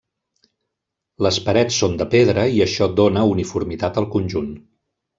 Les parets són de pedra i això dóna uniformitat al conjunt.